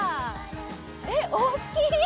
えっ、大きい！